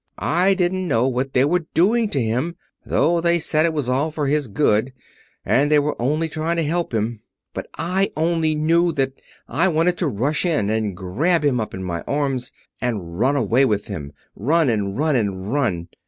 I didn't know what they were doing to him, though they said it was all for his good, and they were only trying to help him. But I only knew that I wanted to rush in, and grab him up in my arms, and run away with him run, and run, and run."